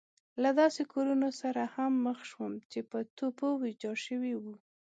له داسې کورونو سره هم مخ شوم چې په توپو ويجاړ شوي وو.